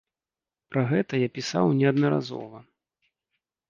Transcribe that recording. Пра гэта я пісаў неаднаразова.